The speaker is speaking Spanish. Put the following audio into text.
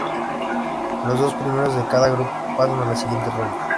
Los dos primeros de cada grupo pasan a la siguiente ronda.